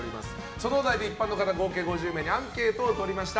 そのお題で一般の方合計５０名にアンケートを取りました。